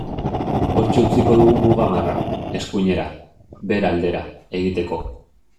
Hortxe utziko dugu muga marra, eskuinera, Bera aldera, egiteko.